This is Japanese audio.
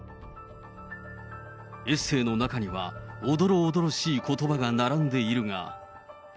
エッセーの中には、おどろおどろしいことばが並んでいるが。